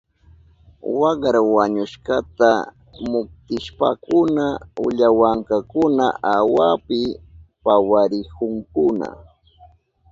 Wakra wañushkata muktishpankuna ullawankakuna awapi pawarihunkuna.